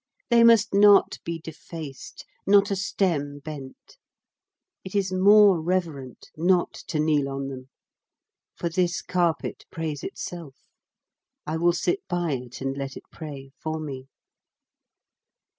They must not be defaced, not a stem bent; it is more reverent not to kneel on them, for this carpet prays itself I will sit by it and let it pray for me.